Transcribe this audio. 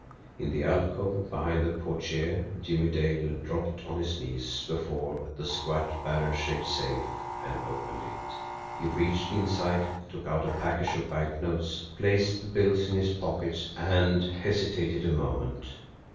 In the alcove behind the portiere, Jimmie Dale dropped on his knees before the squat, barrel shaped safe, and opened it. He reached inside, took out a package of banknotes, placed the bills in his pocket and hesitated a moment.